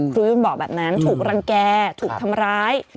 คุยบอกแบบนั้นถูกรังแก่ถูกทำร้าย